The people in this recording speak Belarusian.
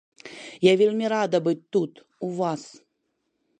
Я вельмі рада быць тут, у вас.